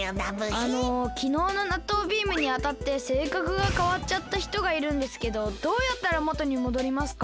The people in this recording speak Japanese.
あのきのうのなっとうビームにあたってせいかくがかわっちゃったひとがいるんですけどどうやったらもとにもどりますか？